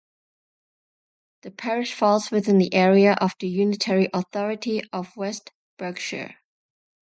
The parish falls within the area of the unitary authority of West Berkshire.